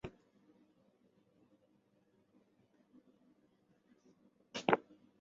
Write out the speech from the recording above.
短萼紫锤草为桔梗科铜锤玉带属下的一个种。